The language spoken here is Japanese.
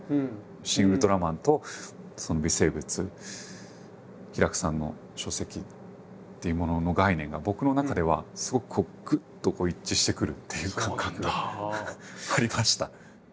「シン・ウルトラマン」と微生物ヒラクさんの書籍っていうものの概念が僕の中ではすごくぐっと一致してくるっていう感覚がありました。